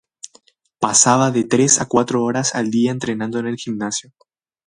Pasaba de tres a cuatro horas al día entrenando en el gimnasio.